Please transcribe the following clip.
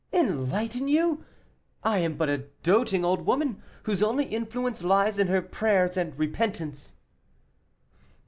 "Enlighten you! I am but a doting old woman, whose only influence lies in her prayers and repentance."